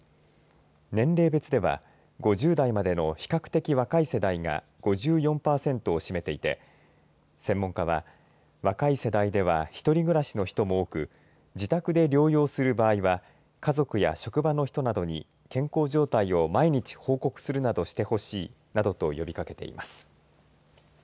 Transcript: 年齢別では５０代までの比較的若い世代が５４パーセントを占めていて専門家は、若い世代では１人暮らしの人も多く自宅で療養する場合は家族や職場の人などに健康状態を毎日報告するなどしてほしいとなどと呼びかけています。